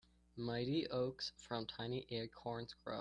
Mighty oaks from tiny acorns grow.